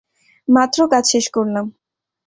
মাত্র কাজ শেষ করলাম।